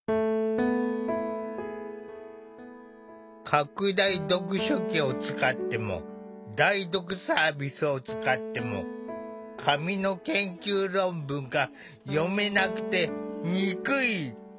拡大読書器を使っても代読サービスを使っても紙の研究論文が読めなくて憎い！